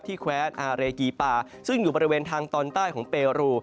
แคว้นอาเรกีปาซึ่งอยู่บริเวณทางตอนใต้ของเปรู